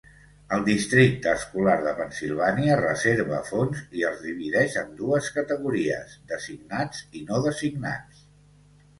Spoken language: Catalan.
El districte escolar de Pennsilvània reserva fons i els divideix en dues categories: designats i no designats.